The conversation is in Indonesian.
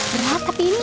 berat tapi ini